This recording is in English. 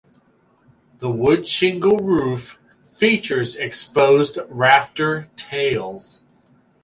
The wood shingle roof features exposed rafter tails.